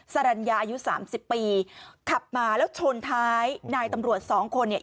สรรญาอายุสามสิบปีขับมาแล้วชนท้ายนายตำรวจสองคนเนี่ย